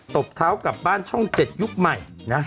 บเท้ากลับบ้านช่อง๗ยุคใหม่นะ